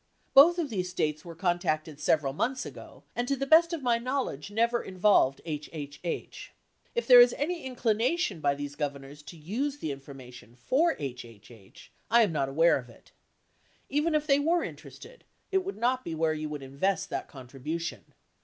Both of these states were con tacted several months ago and to the best, of my knowledge never involved HHH. If there is any inclination by these governors to use the information for HHH, I am not aware of it. Even if they were interested, it would not be where you would invest that contribution.